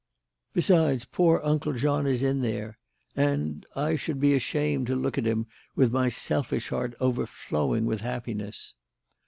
Besides, poor Uncle John is in there and I should be ashamed to look at him with my selfish heart overflowing with happiness."